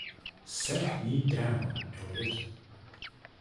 Set me down, Elliott!